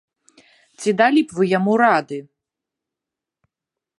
Ці далі б вы яму рады!?